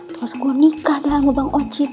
terus gue nikah dengan bang ojid